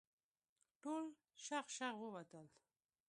ټول شغ شغ ووتل.